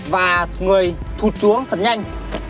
và người thụt xuống thật nhanh